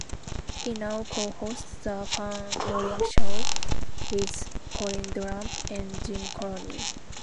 He now co-hosts The Fan Morning Show with Colin Dunlap and Jim Colony.